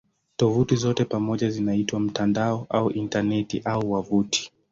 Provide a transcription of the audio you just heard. Tovuti zote pamoja zinaitwa "mtandao" au "Intaneti" au "wavuti".